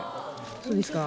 そうですか？